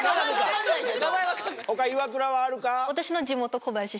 他イワクラはあるか？